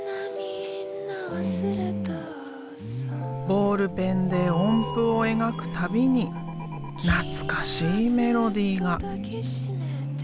ボールペンで音符を描く度に懐かしいメロディーが。